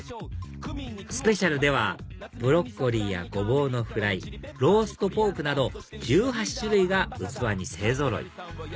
スペシャルではブロッコリーやゴボウのフライローストポークなど１８種類が器に勢ぞろい